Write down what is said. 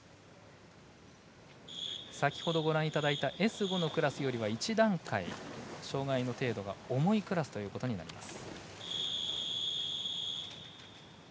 先ほどご覧いただいたＳ５のクラスよりは一段階、障がいの程度が重いクラスとなります。